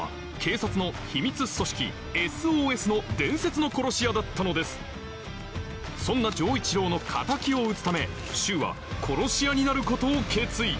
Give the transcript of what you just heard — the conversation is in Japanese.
丈一郎は伝説の殺し屋だったのですそんな丈一郎の敵を討つため柊は殺し屋になることを決意